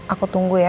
aku tunggu ya